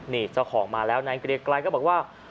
นี่เจ้าของมาแล้วไงกระเกียร์กลายก็บอกว่า